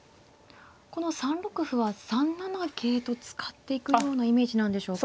この３六歩は３七桂と使っていくようなイメージなんでしょうか。